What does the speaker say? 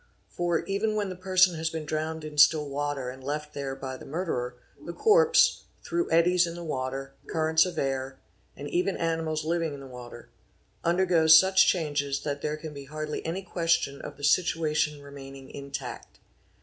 For, even when the person has been drowned im still water and left there by the murderer, the corpse, through eddies in the water, currents of air, and even animals living in the water, undergoes | such changes that there can be hardly any question of the " setwa ic n remaining intact'.